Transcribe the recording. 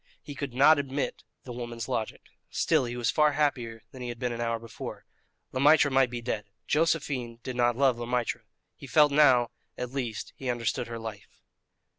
He could not admit the woman's logic. Still, he was far happier than he had been an hour before. Le Maître might be dead. Josephine did not love Le Maître. He felt that now, at least, he understood her life.